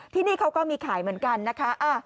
ที่นี่เขาก็มีขายเหมือนกันนะคะ